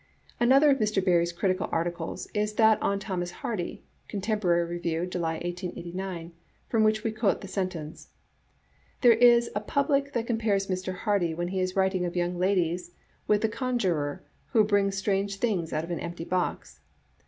Another of Mr. Barrie's critical articles is that on Thomas Hardy {Contemporary Review, July, 1889), from which we quote a sentence :" There is a public that compares Mr. Hardy when he is writing of young ladies with the conjurer who brings strange things out of an empty box.